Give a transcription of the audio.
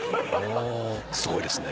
すごいですね。